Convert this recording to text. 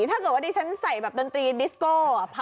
ถ้าเกิดว่าดิฉันใส่แบบดนตรีดิสโก้